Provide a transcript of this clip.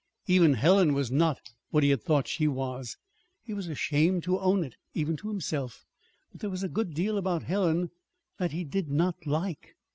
Even Helen was not what he had thought she was. He was ashamed to own it, even to himself, but there was a good deal about Helen that he did not like.